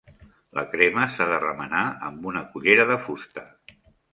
La crema s'ha de remenar amb una cullera de fusta.